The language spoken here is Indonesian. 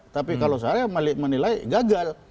tapi kalau saya menilai gagal